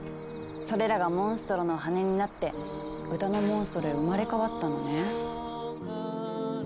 それらがモンストロの羽になって歌のモンストロへ生まれ変わったのね。